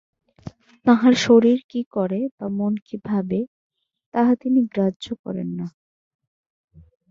তাঁহার শরীর কি করে বা মন কি ভাবে, তাহা তিনি গ্রাহ্য করেন না।